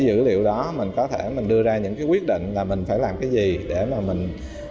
dữ liệu đó mình có thể mình đưa ra những cái quyết định là mình phải làm cái gì để mà mình